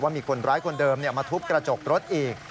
มีคนร้ายคนเดิมมาทุบกระจกรถอีก